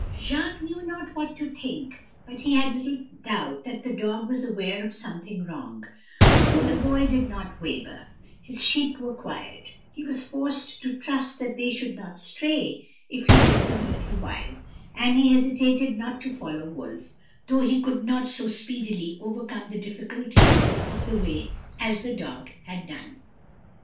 "Jacques knew not what to think, but he had little doubt that the dog was aware of something wrong; so the boy did not waver; his sheep were quiet, he was forced to trust that they should not stray if he left them a little while, and he hesitated not to follow Wolf; though he could not so speedily overcome the difficulties of the way as the dog had done.